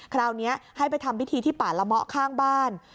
คราวนี้ให้ไปทำพิธีที่ป่าละเมาะข้างบ้าน